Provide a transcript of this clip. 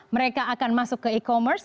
mereka akan masuk ke e commerce